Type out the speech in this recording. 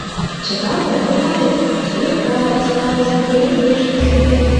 Чыталте, мый палем: сурепка, ушкал шудо... йыргешке шудо.